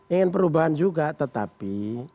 ingin perubahan juga tetapi